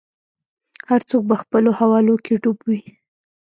هر څوک به خپلو حولو کي ډوب وي